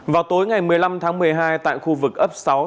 vào tối ngày một mươi năm tháng một mươi hai tại khu vực ấp sơn la